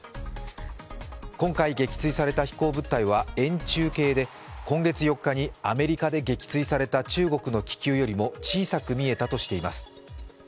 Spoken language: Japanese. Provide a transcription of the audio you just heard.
今回撃墜された飛行物体は円柱形で今月４日にアメリカで撃墜された中国の気球よりも小さく見えたとしています。